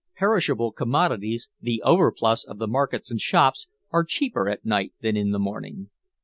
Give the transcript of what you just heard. Perishable commodities, the overplus of the markets and shops, are cheaper at night than in the morning.